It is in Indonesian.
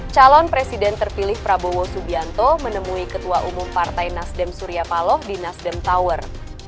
calon presiden terpilih prabowo subianto menemui ketua umum partai nasdem surya paloh di nasdem tower